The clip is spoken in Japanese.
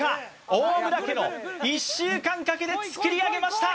大村家の１週間かけて作り上げました